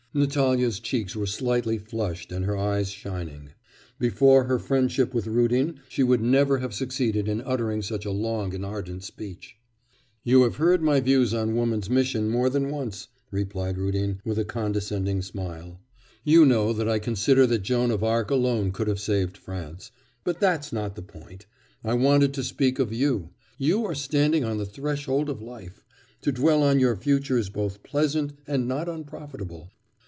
Natalya's cheeks were slightly flushed and her eyes shining. Before her friendship with Rudin she would never have succeeded in uttering such a long and ardent speech. 'You have heard my views on woman's mission more than once,' replied Rudin with a condescending smile. 'You know that I consider that Joan of Arc alone could have saved France.... but that's not the point. I wanted to speak of you. You are standing on the threshold of life.... To dwell on your future is both pleasant and not unprofitable....